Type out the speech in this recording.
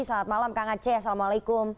selamat malam kang aceh assalamualaikum